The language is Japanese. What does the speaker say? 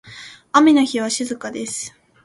雨の日は静かです。